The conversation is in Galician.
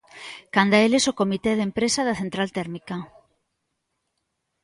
Canda eles o comité de empresa da central térmica.